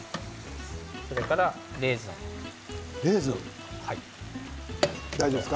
それからレーズンです。